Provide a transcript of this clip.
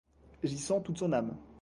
J'y sens toute son âme!